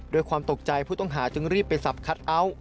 ด้วยความตกใจผู้ต้องหาจึงรีบไปสับคัทเอาท์